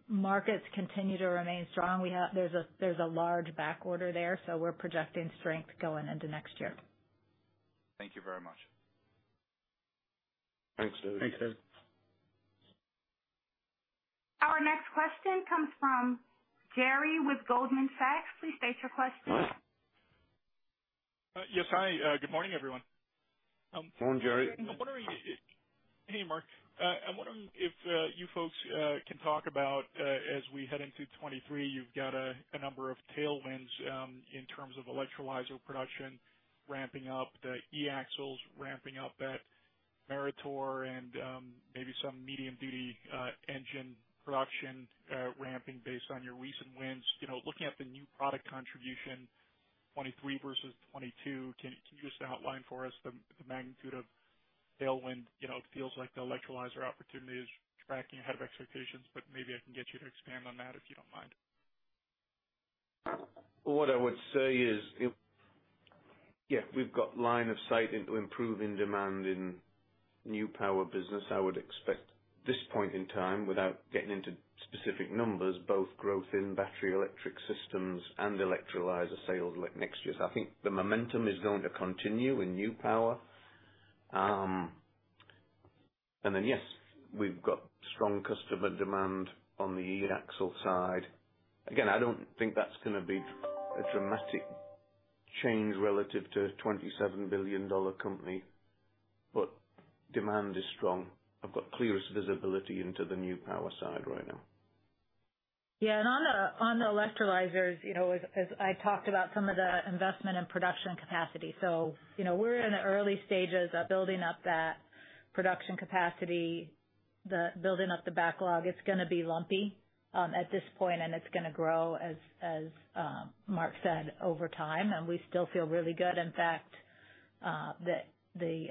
markets continue to remain strong. There's a large back order there, so we're projecting strength going into next year. Thank you very much. Thanks, David. Thanks, David. Our next question comes from Jerry with Goldman Sachs. Please state your question. Yes. Hi. Good morning, everyone. Morning, Jerry. Hey, Mark. I wonder if you folks can talk about, as we head into 2023, you've got a number of tailwinds in terms of electrolyzer production ramping up, the eAxles ramping up at Meritor and maybe some medium duty engine production ramping based on your recent wins. You know, looking at the new product contribution, 2023 versus 2022, can you just outline for us the magnitude of tailwind? You know, it feels like the electrolyzer opportunity is tracking ahead of expectations, but maybe I can get you to expand on that, if you don't mind. What I would say is, yeah, we've got line of sight into improving demand in New Power business. I would expect this point in time, without getting into specific numbers, both growth in battery electric systems and electrolyzer sales like next year. I think the momentum is going to continue in New Power. And then, yes, we've got strong customer demand on the e-axle side. Again, I don't think that's gonna be a dramatic change relative to a $27 billion company, but demand is strong. I've got clearest visibility into the New Power side right now. Yeah. On the electrolyzers, you know, as I talked about some of the investment and production capacity. You know, we're in the early stages of building up that production capacity, building up the backlog. It's gonna be lumpy at this point, and it's gonna grow as Mark said, over time, and we still feel really good. In fact, the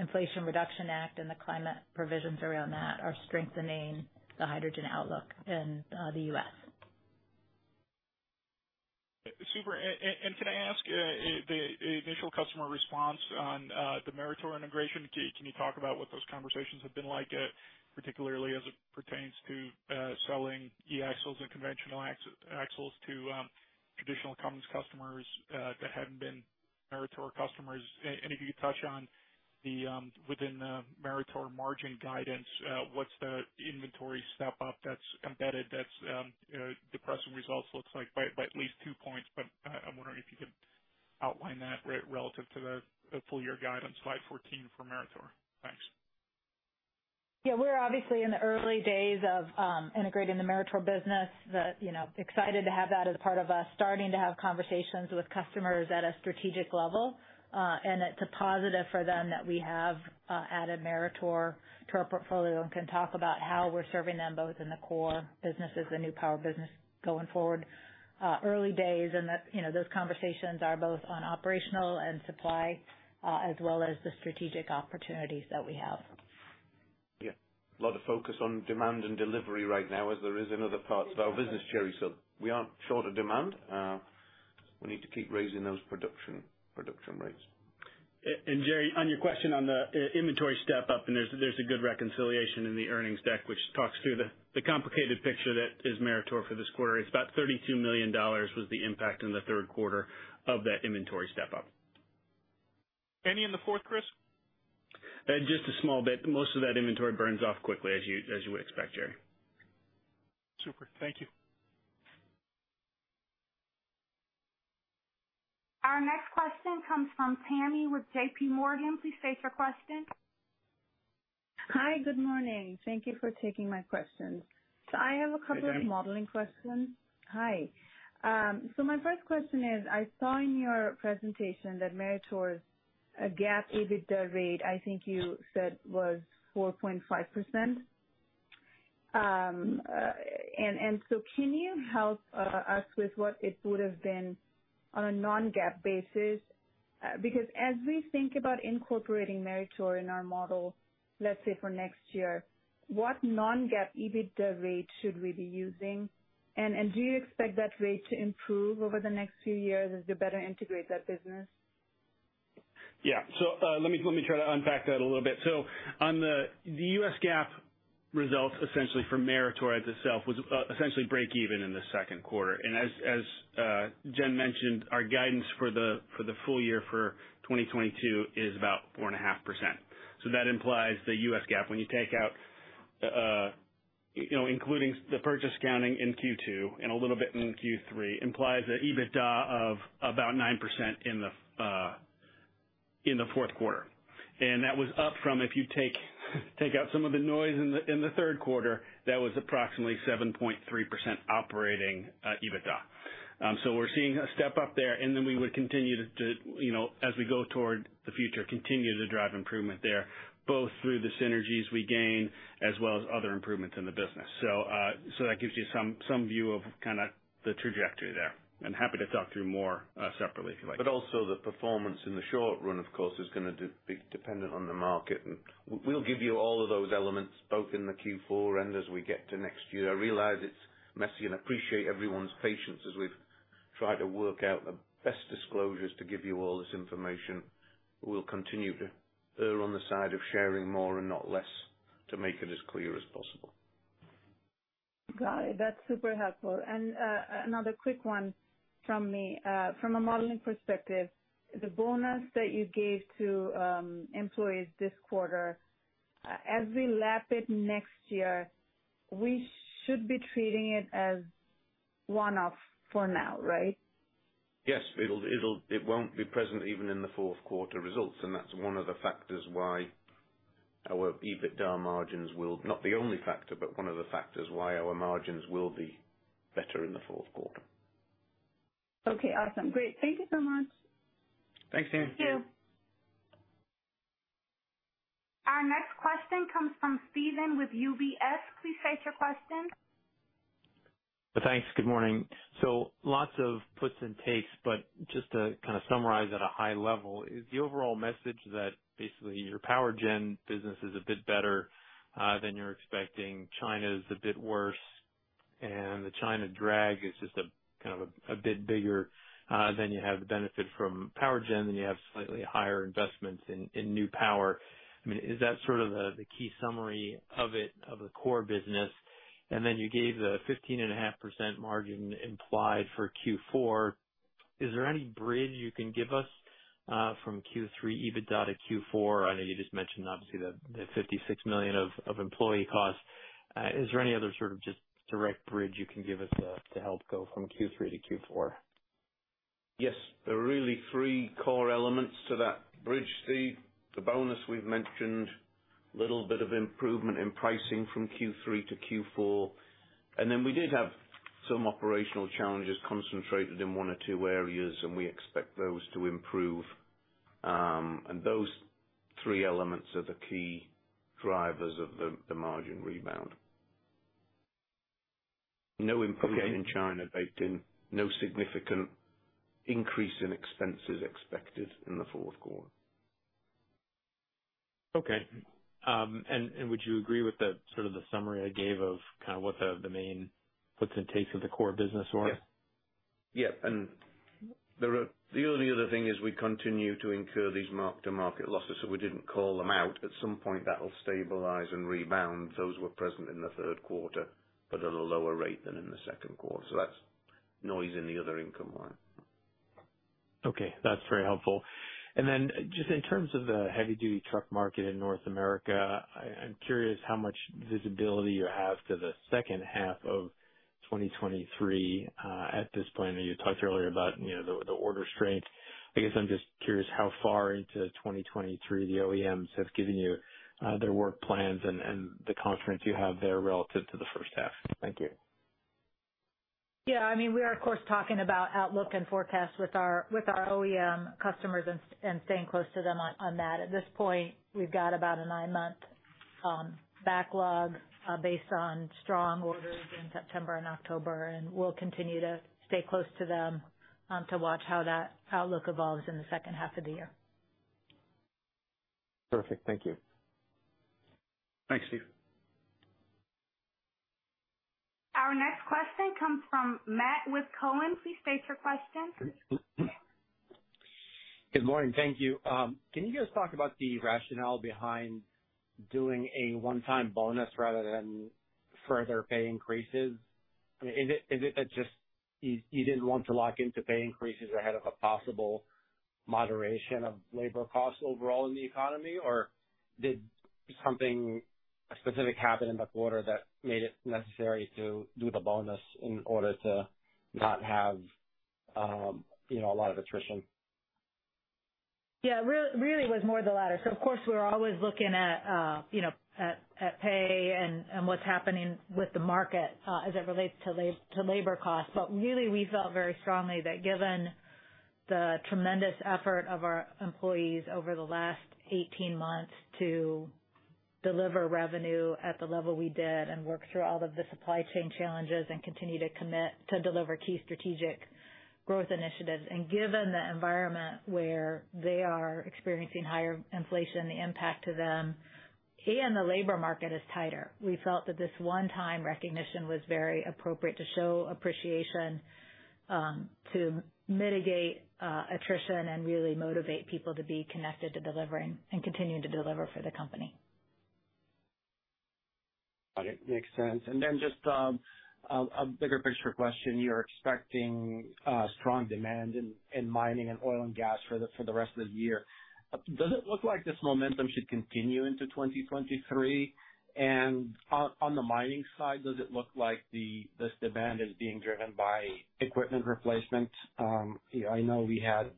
Inflation Reduction Act and the climate provisions around that are strengthening the hydrogen outlook in the U.S. Super. Can I ask the initial customer response on the Meritor integration? Can you talk about what those conversations have been like, particularly as it pertains to selling eAxles and conventional axles to traditional Cummins customers that hadn't been Meritor customers? If you could touch on within the Meritor margin guidance, what's the inventory step-up that's embedded that's depressing results looks like by at least two points. I'm wondering if you could outline that relative to the full year guidance, slide 14 for Meritor. Thanks. Yeah, we're obviously in the early days of integrating the Meritor business. You know, excited to have that as part of us. Starting to have conversations with customers at a strategic level. It's a positive for them that we have added Meritor to our portfolio and can talk about how we're serving them both in the core businesses, the New Power business going forward. Early days and you know, those conversations are both on operational and supply, as well as the strategic opportunities that we have. Yeah. A lot of focus on demand and delivery right now as there is in other parts of our business, Jerry, so we aren't short of demand. We need to keep raising those production rates. Jerry, on your question on the inventory step up, there's a good reconciliation in the earnings deck, which talks through the complicated picture that is Meritor for this quarter. It's about $32 million was the impact in the third quarter of that inventory step up. And in the fourth, Chris? Just a small bit. Most of that inventory burns off quickly as you would expect, Jerry. Super. Thank you. Our next question comes from Tami with JPMorgan. Please state your question. Hi. Good morning. Thank you for taking my question. I have a couple of Hey, Tami. Modeling questions. Hi. My first question is, I saw in your presentation that Meritor's GAAP EBITDA rate, I think you said, was 4.5%. Can you help us with what it would have been on a non-GAAP basis? Because as we think about incorporating Meritor in our model, let's say for next year, what non-GAAP EBITDA rate should we be using? Do you expect that rate to improve over the next few years as you better integrate that business? Yeah. Let me try to unpack that a little bit. On the U.S. GAAP results, essentially for Meritor itself, was essentially break even in the second quarter. As Jen mentioned, our guidance for the full year for 2022 is about 4.5%. That implies the U.S. GAAP, when you take out, you know, including the purchase accounting in Q2 and a little bit in Q3, implies a EBITDA of about 9% in the fourth quarter. That was up from, if you take out some of the noise in the third quarter, that was approximately 7.3% operating EBITDA. We're seeing a step up there, and then we would continue to you know, as we go toward the future, continue to drive improvement there, both through the synergies we gain as well as other improvements in the business. That gives you some view of kinda the trajectory there. I'm happy to talk through more, separately if you like. Also the performance in the short run, of course, is gonna be dependent on the market. We'll give you all of those elements both in the Q4 and as we get to next year. I realize it's messy and appreciate everyone's patience as we've tried to work out the best disclosures to give you all this information. We'll continue to err on the side of sharing more and not less to make it as clear as possible. Got it. That's super helpful. Another quick one from me. From a modeling perspective, the bonus that you gave to employees this quarter, as we lap it next year, we should be treating it as one-off for now, right? Yes, it'll. It won't be present even in the fourth quarter results, and that's one of the factors why our EBITDA margins will not be the only factor, but one of the factors why our margins will be better in the fourth quarter. Okay, awesome. Great. Thank you so much. Thanks, Tami. Thank you. Our next question comes from Stephen with UBS. Please state your question. Thanks. Good morning. Lots of puts and takes, but just to kind of summarize at a high level, is the overall message that basically your power gen business is a bit better than you're expecting, China is a bit worse, and the China drag is just a bit bigger than you have the benefit from power gen, then you have slightly higher investments in New Power. I mean, is that sort of the key summary of the core business? You gave the 15.5% margin implied for Q4. Is there any bridge you can give us from Q3 EBITDA to Q4? I know you just mentioned obviously the $56 million of employee costs. Is there any other sort of just direct bridge you can give us to help go from Q3 to Q4? Yes. There are really three core elements to that bridge, Stephen. The bonus we've mentioned, little bit of improvement in pricing from Q3 to Q4, and then we did have some operational challenges concentrated in one or two areas, and we expect those to improve. Those three elements are the key drivers of the margin rebound. No improvement in China baked in. No significant increase in expenses expected in the fourth quarter. Would you agree with the sort of summary I gave of kind of what the main puts and takes of the core business are? The only other thing is we continue to incur these mark-to-market losses, so we didn't call them out. At some point, that'll stabilize and rebound. Those were present in the third quarter, but at a lower rate than in the second quarter. That's noise in the other income line. Okay, that's very helpful. Just in terms of the heavy-duty truck market in North America, I'm curious how much visibility you have to the second half of 2023 at this point. I know you talked earlier about, you know, the order strength. I guess I'm just curious how far into 2023 the OEMs have given you their work plans and the confidence you have there relative to the first half. Thank you. Yeah. I mean, we are of course talking about outlook and forecast with our OEM customers and staying close to them on that. At this point, we've got about a nine-month backlog based on strong orders in September and October, and we'll continue to stay close to them to watch how that outlook evolves in the second half of the year. Perfect. Thank you. Thanks, Steve. Our next question comes from Matt with Cowen. Please state your question. Good morning. Thank you. Can you guys talk about the rationale behind doing a one-time bonus rather than further pay increases? I mean, is it just that you didn't want to lock into pay increases ahead of a possible moderation of labor costs overall in the economy? Or did something specific happen in the quarter that made it necessary to do the bonus in order to not have, you know, a lot of attrition? Yeah. Really was more the latter. Of course, we're always looking at, you know, at pay and what's happening with the market as it relates to labor costs. But really, we felt very strongly that given the tremendous effort of our employees over the last 18 months to deliver revenue at the level we did and work through all of the supply chain challenges and continue to commit to deliver key strategic growth initiatives, and given the environment where they are experiencing higher inflation, the impact to them, and the labor market is tighter, we felt that this one-time recognition was very appropriate to show appreciation, to mitigate attrition and really motivate people to be connected to delivering and continuing to deliver for the company. Got it. Makes sense. Just a bigger picture question. You're expecting strong demand in mining and oil and gas for the rest of the year. Does it look like this momentum should continue into 2023? On the mining side, does it look like this demand is being driven by equipment replacement? You know, I know we had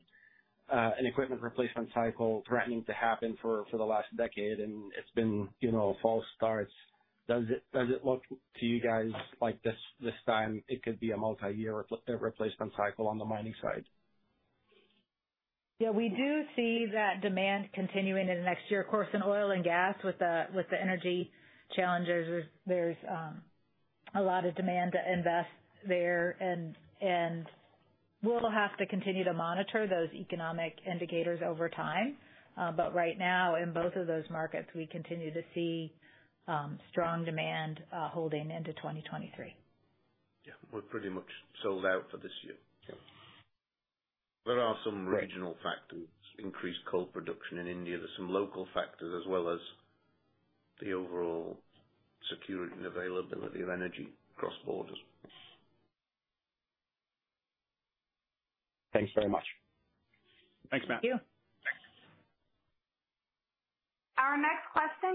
an equipment replacement cycle threatening to happen for the last decade, and it's been false starts. Does it look to you guys like this time it could be a multiyear replacement cycle on the mining side? Yeah. We do see that demand continuing in the next year. Of course, in oil and gas with the energy challenges, there's a lot of demand to invest there. We'll have to continue to monitor those economic indicators over time. But right now, in both of those markets, we continue to see strong demand holding into 2023. Yeah. We're pretty much sold out for this year. Yeah. There are some regional factors, increased coal production in India. There's some local factors as well as the overall security and availability of energy across borders. Thanks very much. Thanks, Matt. Thank you.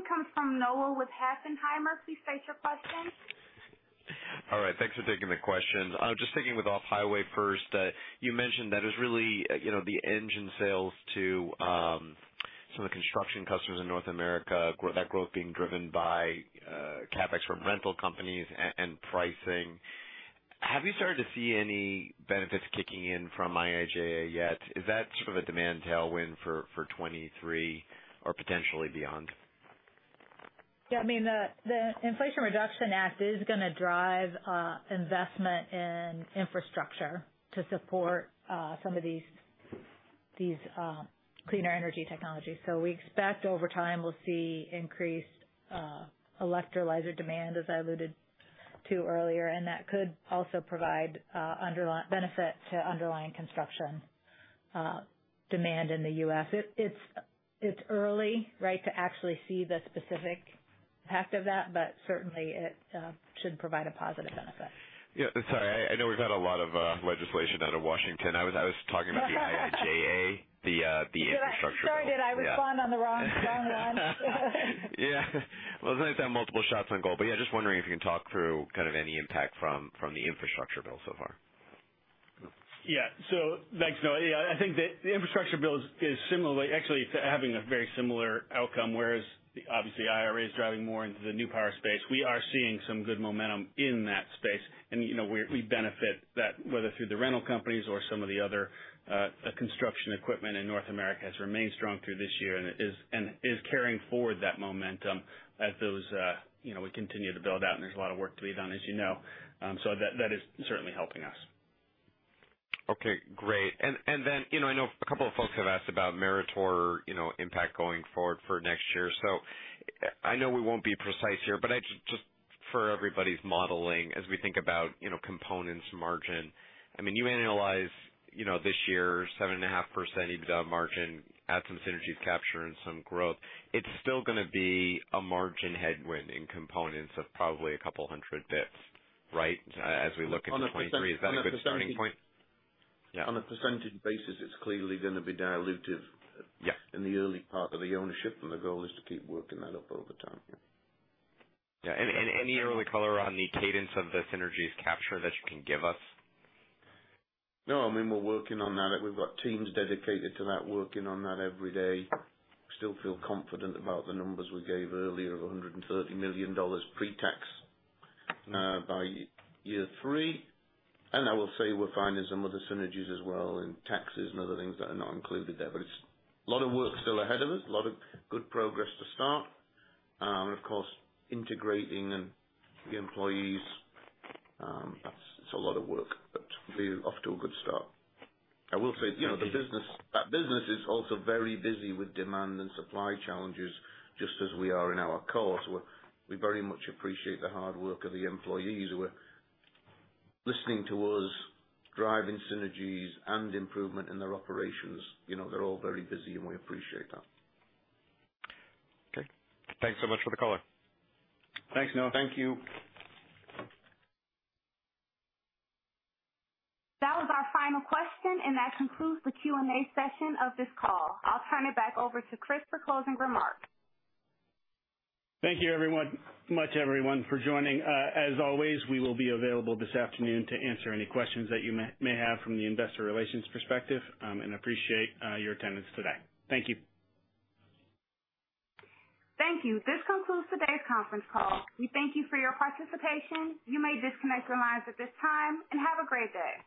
Comes from Noah with Oppenheimer. Please state your question. All right, thanks for taking the question. Just sticking with off-highway first. You mentioned that is really, you know, the engine sales to some of the construction customers in North America. That growth being driven by CapEx from rental companies and pricing. Have you started to see any benefits kicking in from IIJA yet? Is that sort of a demand tailwind for 2023 or potentially beyond? Yeah, I mean, the Inflation Reduction Act is gonna drive investment in infrastructure to support some of these cleaner energy technologies. We expect over time we'll see increased electrolyzer demand, as I alluded to earlier, and that could also provide underlying benefit to underlying construction demand in the U.S. It's early, right, to actually see the specific impact of that, but certainly it should provide a positive benefit. Yeah. Sorry, I know we've had a lot of legislation out of Washington. I was talking about the IIJA, the infrastructure. Sorry, did I respond on the wrong one? Yeah. Well, it's nice to have multiple shots on goal, but yeah, just wondering if you can talk through kind of any impact from the infrastructure bill so far. Yeah. Thanks, Noah. Yeah, I think the infrastructure bill is similarly actually to having a very similar outcome, whereas obviously IRA is driving more into the New Power space. We are seeing some good momentum in that space. You know, we benefit from that whether through the rental companies or some of the other construction equipment in North America has remained strong through this year and is carrying forward that momentum as those you know, we continue to build out and there's a lot of work to be done, as you know. That is certainly helping us. Okay, great. Then, you know, I know a couple of folks have asked about Meritor, you know, impact going forward for next year. I know we won't be precise here, but I just for everybody's modeling as we think about, you know, components, margin. I mean, you analyze, you know, this year 7.5% EBITDA margin, add some synergies capture and some growth, it's still gonna be a margin headwind in components of probably a couple hundred basis points, right? As we look into 2023. Is that a good starting point? On a percentage basis, it's clearly gonna be dilutive. Yeah. In the early part of the ownership, and the goal is to keep working that up over time. Yeah. Any early color on the cadence of the synergies capture that you can give us? No, I mean, we're working on that. We've got teams dedicated to that, working on that every day. Still feel confident about the numbers we gave earlier of $130 million pre-tax by year three. I will say we're finding some other synergies as well in taxes and other things that are not included there. It's a lot of work still ahead of us, a lot of good progress to start. Of course, integrating the employees, that's a lot of work, but we're off to a good start. I will say, you know, the business, that business is also very busy with demand and supply challenges, just as we are in our core. We very much appreciate the hard work of the employees who are listening to us, driving synergies and improvement in their operations. You know, they're all very busy, and we appreciate that. Okay. Thanks so much for the color. Thanks, Noah. Thank you. That was our final question, and that concludes the Q&A session of this call. I'll turn it back over to Chris for closing remarks. Thank you very much, everyone for joining. As always, we will be available this afternoon to answer any questions that you may have from the investor relations perspective, and appreciate your attendance today. Thank you. Thank you. This concludes today's conference call. We thank you for your participation. You may disconnect your lines at this time, and have a great day.